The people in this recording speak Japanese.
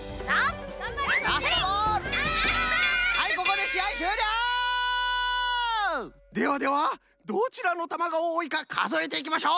ではではどちらのたまがおおいかかぞえていきましょう！